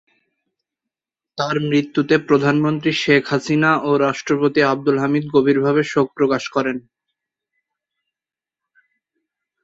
তার মৃত্যুতে প্রধানমন্ত্রী শেখ হাসিনা ও রাষ্ট্রপতি আব্দুল হামিদ গভীরভাবে শোক প্রকাশ করেন।